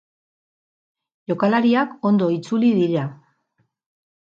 Jokalariak ondo itzuli dira.